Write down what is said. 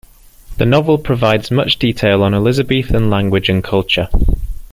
The novel provides much detail on Elizabethan language and culture.